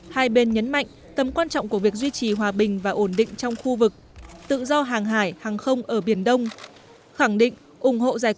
hai bên nhấn mạnh tầm quan trọng của việc duy trì hòa bình và ổn định trong khu vực tự do hàng hải hàng không ở biển đông khẳng định ủng hộ giải quyết